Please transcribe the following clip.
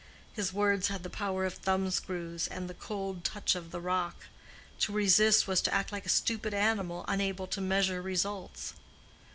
His words had the power of thumb screws and the cold touch of the rock. To resist was to act like a stupid animal unable to measure results.